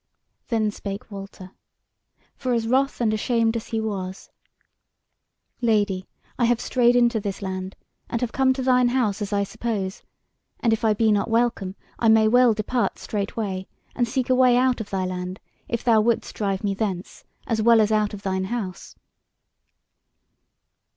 Then spake Walter, for as wroth and ashamed as he was: "Lady, I have strayed into this land, and have come to thine house as I suppose, and if I be not welcome, I may well depart straightway, and seek a way out of thy land, if thou wouldst drive me thence, as well as out of thine house."